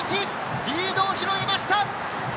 リードを広げました！